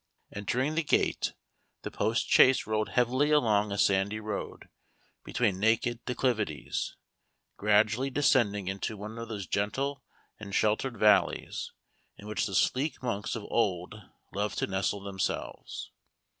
Entering the gate, the postchaise rolled heavily along a sandy road, between naked declivities, gradually descending into one of those gentle and sheltered valleys, in which the sleek monks of old loved to nestle themselves.